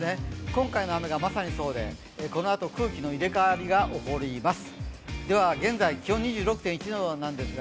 今回の雨がまさにそうで、このあと空気の入れ替わりが起こります。